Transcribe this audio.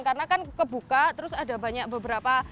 karena kan kebuka terus ada banyak beberapa